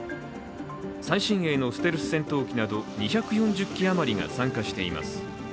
最新鋭のステルス戦闘機など２４０機余りが参加しています。